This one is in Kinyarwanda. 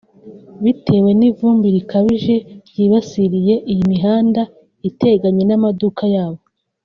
bitewe n’ivumbi rikabije ryibasiriye iyi mihanda iteganye n’amaduka yabo